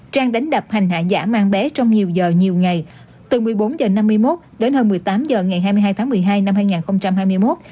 trang đánh đập hành hạ giả mang bé trong nhiều giờ nhiều ngày từ một mươi bốn h năm mươi một đến hơn một mươi tám h ngày hai mươi hai tháng một mươi hai năm hai nghìn hai mươi một